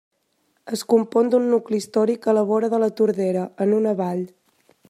Es compon d'un nucli històric a la vora de La Tordera, en una vall.